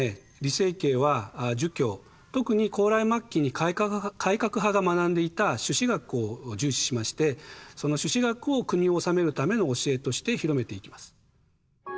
李成桂は儒教特に高麗末期に改革派が学んでいた朱子学を重視しましてその朱子学を国を治めるための教えとして広めていきます。